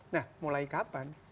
nah mulai kapan